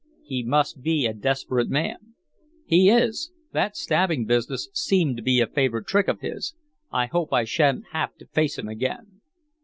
"He must be a desperate man." "He is. That stabbing business seems to be a favorite trick of his. I hope I shan't have to face him again."